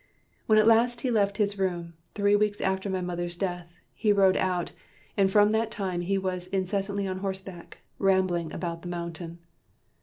"When at last he left his room, three weeks after my mother's death, he rode out, and from that time, he was incessantly on horseback, rambling about the mountain."